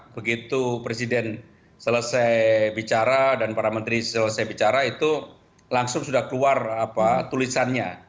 begitu presiden selesai bicara dan para menteri selesai bicara itu langsung sudah keluar tulisannya